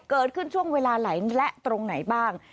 เกิดขึ้นช่วงเวลาไหลและตรงไหนบ้าง